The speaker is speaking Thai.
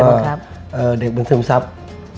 คุณพ่อมีลูกทั้งหมด๑๐ปี